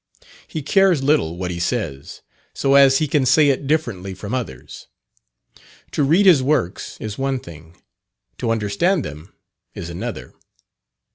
He cares little what he says, so as he can say it differently from others. To read his works, is one thing; to understand them, is another.